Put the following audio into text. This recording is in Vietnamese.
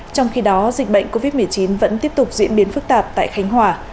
trong khi đó dịch bệnh covid một mươi chín vẫn tiếp tục diễn biến phức tạp tại khánh hòa